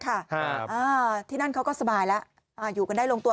ค่ะอ่าที่นั่นเขาก็สบายแล้วอ่าอยู่กันได้ลงตัว